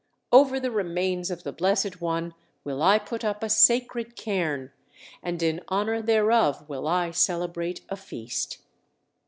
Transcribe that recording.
Over the remains of the Blessed One will I put up a sacred cairn, and in honor thereof will I celebrate a feast!"